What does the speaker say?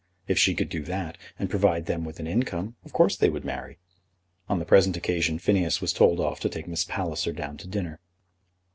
If she could do that, and provide them with an income, of course they would marry. On the present occasion Phineas was told off to take Miss Palliser down to dinner.